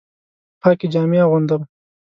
پاکې جامې اغوندم